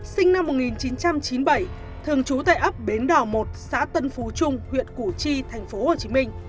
sinh năm một nghìn chín trăm chín mươi bảy thường trú tại ấp bến đỏ một xã tân phú trung huyện củ chi tp hcm